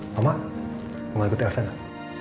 mama mau ikut elsa gak